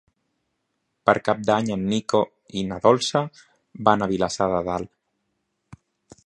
Per Cap d'Any en Nico i na Dolça van a Vilassar de Dalt.